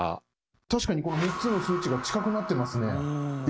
確かにこの３つの数値が近くなってますね。